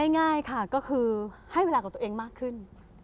ง่ายค่ะก็คือให้เวลากับตัวเองมากขึ้น